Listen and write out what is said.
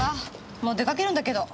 もう出かけるんだけど。